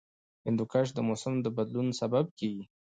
هندوکش د موسم د بدلون سبب کېږي.